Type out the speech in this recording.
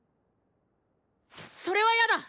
それはヤだ。